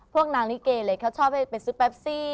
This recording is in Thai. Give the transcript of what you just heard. พวกนางลิเกเลยเขาชอบให้ไปซื้อแปปซี่